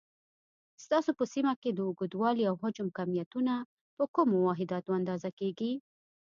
ستاسو په سیمه کې د اوږدوالي، او حجم کمیتونه په کومو واحداتو اندازه کېږي؟